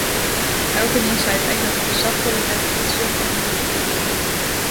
Elkenien seit ek dat ik der safolleste better útsjoch as in wike lyn.